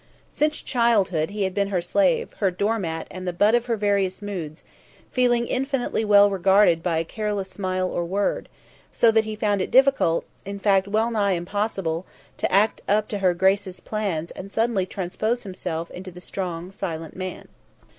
Since childhood he had been her slave, her door mat, and the butt of her various moods, feeling infinitely well rewarded by a careless smile or word; so that he found it difficult, in fact well nigh impossible, to act up to her grace's plans and suddenly transpose himself into the strong, silent man.